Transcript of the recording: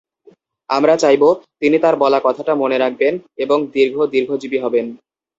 আমরা চাইব, তিনি তাঁর বলা কথাটা মনে রাখবেন, এবং দীর্ঘ দীর্ঘজীবী হবেন।